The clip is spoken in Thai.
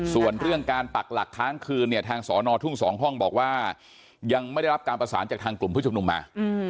ส่วนเรื่องการปักหลักค้างคืนเนี่ยทางสอนอทุ่ง๒ห้องบอกว่ายังไม่ได้รับการประสานจากทางกลุ่มผู้ชุมนุมมา